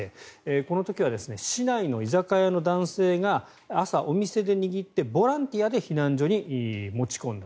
この時は市内の居酒屋の男性が朝、お店で握ってボランティアで避難所に持ち込んだ。